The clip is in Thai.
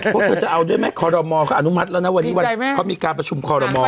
พวกเธอจะเอาด้วยไหมคอรมอเขาอนุมัติแล้วนะวันนี้วันเขามีการประชุมคอรมอล